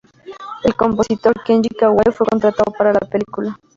El compositor Kenji Kawai fue contratado para la película.